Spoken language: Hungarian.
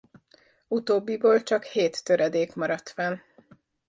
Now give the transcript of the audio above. Utóbbiból csak hét töredék maradt fenn.